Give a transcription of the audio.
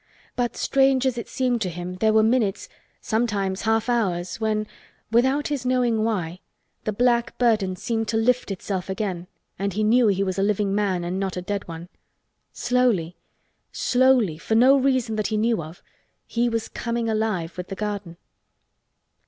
But, strange as it seemed to him, there were minutes—sometimes half hours—when, without his knowing why, the black burden seemed to lift itself again and he knew he was a living man and not a dead one. Slowly—slowly—for no reason that he knew of—he was "coming alive" with the garden.